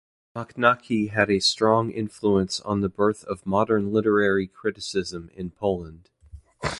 Mochnacki had a strong influence on the birth of modern literary criticism in Poland.